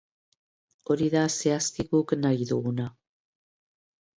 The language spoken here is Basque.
Hori da, zehazki, guk nahi duguna.